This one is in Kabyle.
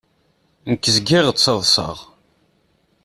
Nekk zgiɣ ttaḍṣaɣ.